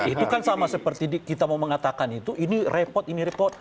itu kan sama seperti kita mau mengatakan itu ini repot ini repot